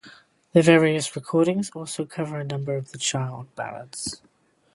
Their various recordings also cover a number of the Child ballads.